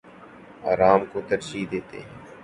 آرام کو ترجیح دیتے ہیں